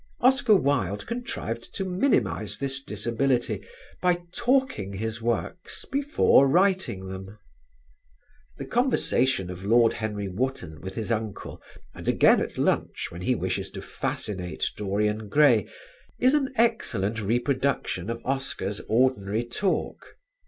Oscar Wilde contrived to minimise this disability by talking his works before writing them. The conversation of Lord Henry Wotton with his uncle, and again at lunch when he wishes to fascinate Dorian Gray, is an excellent reproduction of Oscar's ordinary talk.